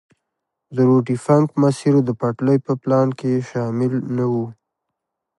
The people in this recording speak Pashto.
د روټي فنک مسیر د پټلۍ په پلان کې شامل نه وو.